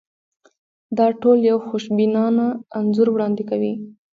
دا ټول یو خوشبینانه انځور وړاندې کوي.